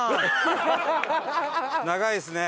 長いですね。